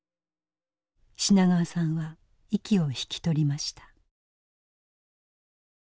品川さんは息を引き取りました。